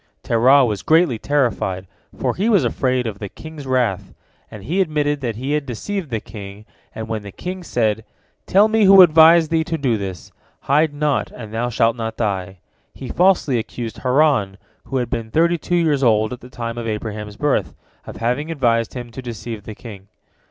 Terah was greatly terrified, for he was afraid of the king's wrath, and he admitted that he had deceived the king, and when the king said, "Tell me who advised thee to do this. Hide naught, and thou shalt not die," he falsely accused Haran, who had been thirty two years old at the time of Abraham's birth, of having advised him to deceive the king.